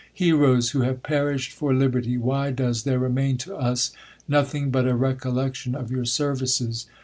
I Heroes who have perished for liberty, why does there I remain to us nothing but a recollection of your services